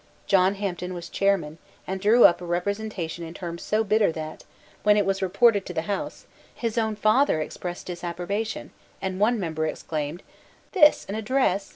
John Hampden was chairman, and drew up a representation in terms so bitter that, when it was reported to the House, his own father expressed disapprobation, and one member exclaimed: "This an address!